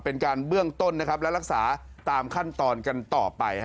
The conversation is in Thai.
เป็นการเบื้องต้นนะครับและรักษาตามขั้นตอนกันต่อไป